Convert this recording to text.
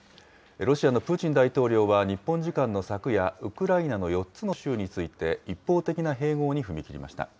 ロシアのプーチン大統領は日本時間の昨夜、ウクライナの４つの州について、一方的な併合に踏み切りました。